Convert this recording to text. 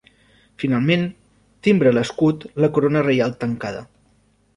Finalment, timbra l'escut la corona reial tancada.